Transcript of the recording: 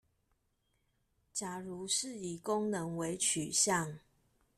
假如是以功能為取向